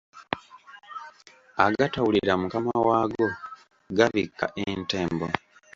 Agatawulira Mukama waago gabikka entembo.